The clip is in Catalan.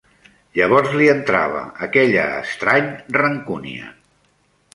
Llavors li entrava aquella estrany rancúnia